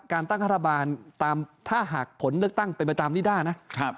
การตั้งฆาตบาลถ้าหากผลเลือกตั้งเป็นไปตามนี่ได้นะ